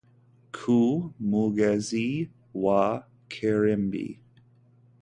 Ku mugezi wa Kirimbi